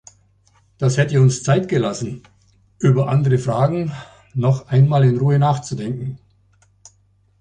Das hätte uns Zeit gelassen, über andere Fragen noch einmal in Ruhe nachzudenken.